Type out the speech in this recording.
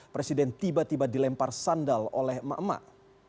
presiden tiba tiba dilempar sandal oleh emak emak